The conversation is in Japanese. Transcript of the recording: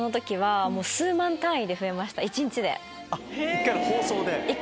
１回の放送で！